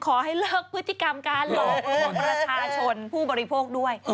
ขอให้เลิกพฤติกรรมการหลอกของประชาชนผู้บริโภคด้วย